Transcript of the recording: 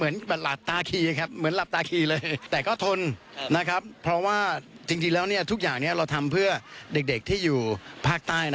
นี่ถือว่าเป็น